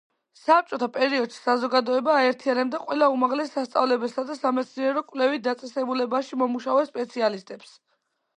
საბჭოთა პერიოდში საზოგადოება აერთიანებდა ყველა უმაღლეს სასწავლებელსა და სამეცნიერო კვლევით დაწესებულებაში მომუშავე სპეციალისტებს.